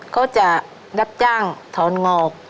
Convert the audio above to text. เขาจะดับจ้างถอนหงอก